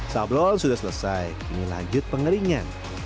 sablon sudah selesai kini lanjut pengeringan